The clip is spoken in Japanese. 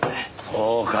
そうか。